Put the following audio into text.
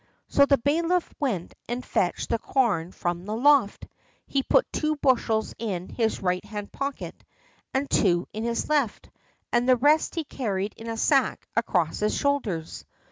So the bailiff went and fetched the corn from the loft. He put two bushels in his right hand pocket, and two in his left, and the rest he carried in a sack across his shoulders.